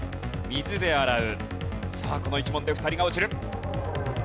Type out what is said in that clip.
さあこの１問で２人が落ちる。